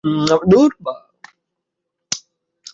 আমার প্রথম উপহার।